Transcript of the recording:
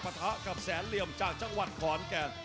ทะกับแสนเหลี่ยมจากจังหวัดขอนแก่น